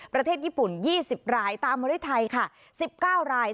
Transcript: ประเทศญี่ปุ่น๒๐รายตามมาด้วยไทยค่ะ๑๙ราย